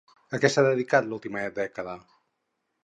A què s'ha dedicat l'última dècada?